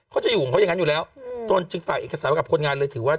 เขาจะอยู่ของเขาอย่างนั้นอยู่แล้วจนจึงฝากเอกสารกับคนงานเลยถือว่า